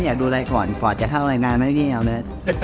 อยากดูอะไรก่อนก่อนจะเข้ารายงานนะพี่เอาเลย